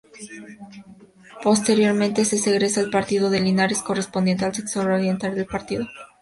Posteriormente, se segrega el Partido de Linares, correspondiente al sector oriental del partido.